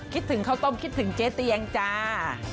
คิดถึงข้าวต้มคิดถึงเจ๊เตียงจ้า